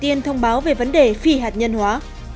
tiên thông báo về vấn đề phi hạt nhân hóa